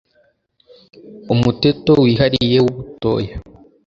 umuteto wihariye w'ubutoya